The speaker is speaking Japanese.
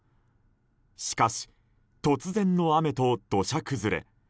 しかし、突然の雨と土砂崩れ。